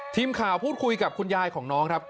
ทีมข่าวพูดคุยกับคุณยายของน้องครับ